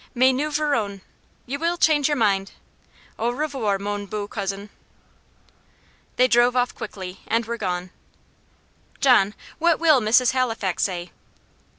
Mais nous verrons. You will change your mind. Au revoir, mon beau cousin." They drove off quickly, and were gone. "John, what will Mrs. Halifax say?"